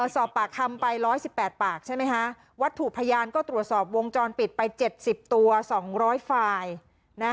สอบปากคำไปร้อยสิบแปดปากใช่ไหมฮะวัตถูกพยานก็ตรวจสอบวงจรปิดไปเจ็ดสิบตัวสองร้อยไฟล์